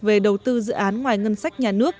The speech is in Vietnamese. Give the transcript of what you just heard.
về đầu tư dự án ngoài ngân sách nhà nước